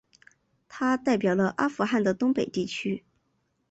他代表了阿富汗的东北地区。